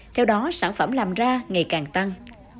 theo đó sản phẩm làm ra ngày càng tăng